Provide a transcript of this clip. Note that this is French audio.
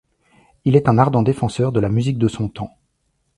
Il est un ardent défenseur de la musique de son temps.